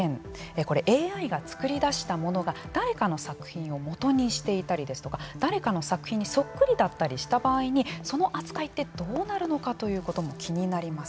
これ、ＡＩが作り出したものが誰かの作品を基にしていたりですとか誰かの作品にそっくりだったりした場合にその扱いってどうなるのかということも気になります。